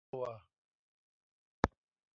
เรื่องส่วนตัว